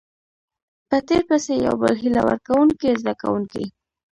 په تير پسې يو بل هيله ورکوونکۍ زده کوونکي